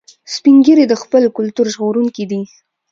سپین ږیری د خپل کلتور ژغورونکي دي